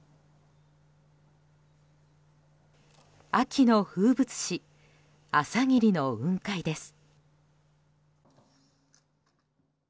秋の風物詩、朝霧の雲海です。